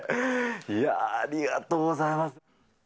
いやー、ありがとうございます。